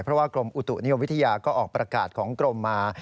เพราะว่ากรมอุตุนิยมวิทยาก็ออกประกาศของกรมมา